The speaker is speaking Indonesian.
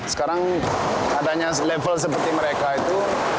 sekarang adanya level seperti mereka itu